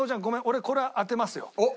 俺これは当てますよ。